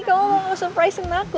kamu mau nge surprisein aku kan